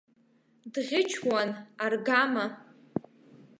Дӷьычуан аргама!